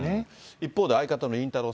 一方で、相方のりんたろー。